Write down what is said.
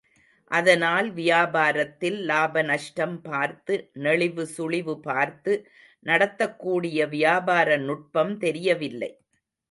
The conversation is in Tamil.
அதனால் வியாபாரத்தில் லாப நஷ்டம் பார்த்து நெளிவு சுளிவு பார்த்து நடத்தக்கூடிய வியாபார நுட்பம் தெரியவில்லை.